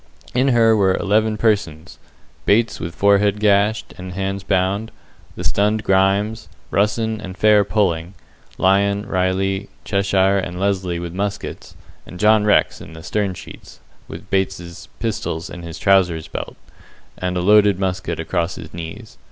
In her were eleven persons; Bates with forehead gashed, and hands bound, the stunned Grimes, Russen and Fair pulling, Lyon, Riley, Cheshire, and Lesly with muskets, and John Rex in the stern sheets, with Bates's pistols in his trousers' belt, and a loaded musket across his knees.